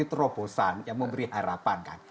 terobosan yang memberi harapan kan